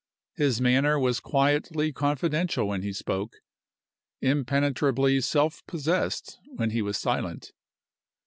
His manner was quietly confidential when he spoke, impenetrably self possessed when he was silent.